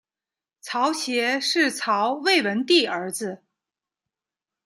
曹协是曹魏文帝儿子。